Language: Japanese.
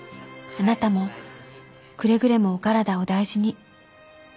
「あなたもくれぐれもお体をお大事に。